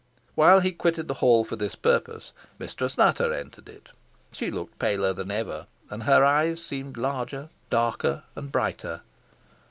While he quitted the hall for this purpose, Mistress Nutter entered it. She looked paler than ever, and her eyes seemed larger, darker, and brighter.